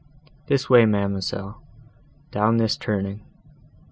This way, ma'amselle, down this turning.